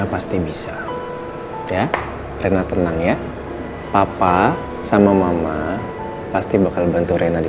pasti bisa ya rena tenang ya papa sama mama pasti bakal bantu rena di